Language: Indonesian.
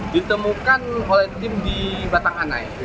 ditemukan oleh tim di batang anai